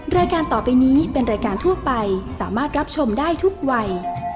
รายการต่อไปนี้เป็นรายการทั่วไปสามารถรับชมได้ทุกวัย